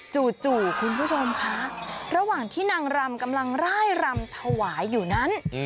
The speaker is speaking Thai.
จู่คุณผู้ชมคะระหว่างที่นางรำกำลังร่ายรำถวายอยู่นั้น